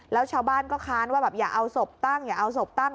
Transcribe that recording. แล้วชาวบ้านก็ค้านว่าแบบอย่าเอาศพตั้งอย่าเอาศพตั้ง